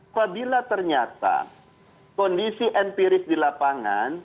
apabila ternyata kondisi empiris di lapangan